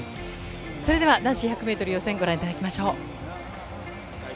男子１００ｍの予選をご覧いただきましょう。